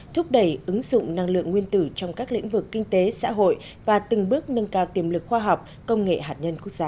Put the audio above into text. thúc đẩy ứng dụng năng lượng nguyên tử trong các lĩnh vực kinh tế xã hội và từng bước nâng cao tiềm lực khoa học công nghệ hạt nhân quốc gia